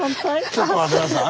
ちょっと待って下さい。